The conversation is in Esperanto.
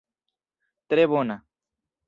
Tre bona.